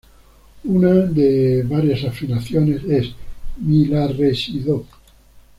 Una de varias afinaciones es "mi, la, re, si, do".